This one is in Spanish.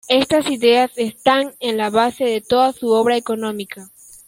Estas ideas están en la base de toda su obra económica.